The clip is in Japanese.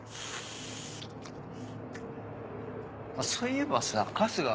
そういえばさ春日。